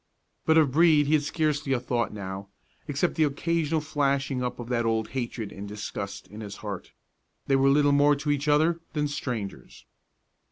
But of Brede he had scarcely a thought now, except the occasional flashing up of that old hatred and disgust in his heart. They were little more to each other than strangers.